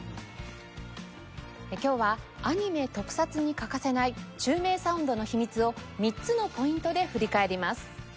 今日はアニメ・特撮に欠かせない宙明サウンドの秘密を３つのポイントで振り返ります。